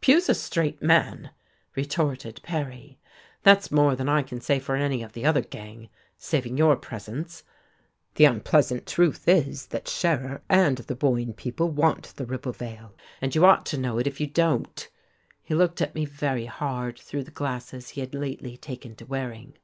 "Pugh's a straight man," retorted Perry. "That's more than I can say for any of the other gang, saving your presence. The unpleasant truth is that Scherer and the Boyne people want the Ribblevale, and you ought to know it if you don't." He looked at me very hard through the glasses he had lately taken to wearing.